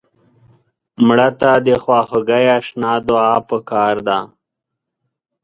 مړه ته د خواخوږۍ اشنا دعا پکار ده